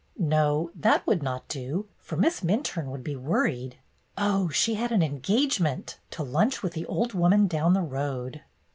No, that would not do, for Miss Minturne would be worried. Oh, she had an engagement (to lunch with the old woman down the road)